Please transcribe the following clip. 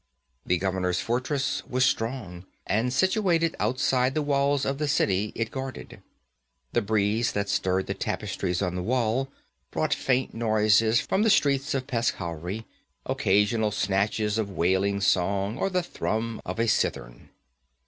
The governor's fortress was strong, and situated outside the walls of the city it guarded. The breeze that stirred the tapestries on the wall brought faint noises from the streets of Peshkhauri occasional snatches of wailing song, or the thrum of a cithern.